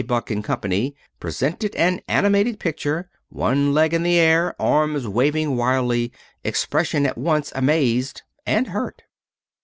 Buck and Company presented an animated picture, one leg in the air, arms waving wildly, expression at once amazed and hurt.